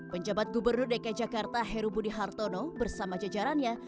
penjabat gubernur dki jakarta heru budi hartono bersama jajarannya